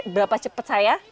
berapa cepat saya